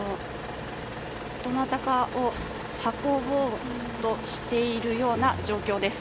どなたかを運ぼうとしているような状況です。